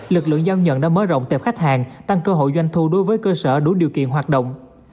lực lượng giao nhận đã mở rộng tip khách hàng tăng cơ hội doanh thu đối với cơ sở đủ điều kiện hoạt động